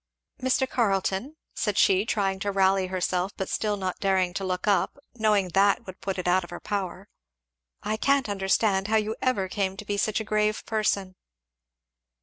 "Mr. Carleton," said she, trying to rally herself but still not daring to look up, knowing that would put it out of her power, "I can't understand how you ever came to be such a grave person."